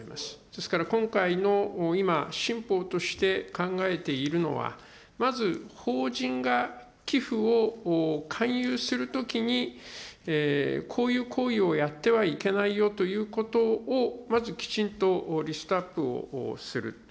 ですから、今回の今、新法として考えているのは、まず法人が寄付を勧誘するときに、こういう行為をやってはいけないよということを、まずきちんとリストアップをすると。